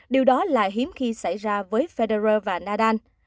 điều đó là hiếm khi xảy ra với federer và nadal